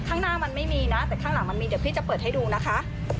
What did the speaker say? ข้างหน้ามันไม่มีนะแต่ข้างหลังมันมีเดี๋ยวพี่จะเปิดให้ดูนะคะ